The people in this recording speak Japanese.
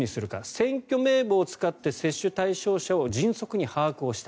選挙名簿を使って接種対象者を迅速に把握した。